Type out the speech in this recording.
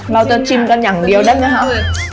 เราจะชิมกันอย่างเดียวได้ไหมครับ